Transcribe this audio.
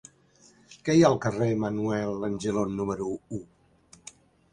Què hi ha al carrer de Manuel Angelon número u?